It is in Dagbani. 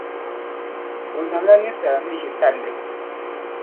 O namla ninsala ni ʒitalli.